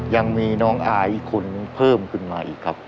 ยังมีน้องอายอีกคนเพิ่มขึ้นมาอีกครับ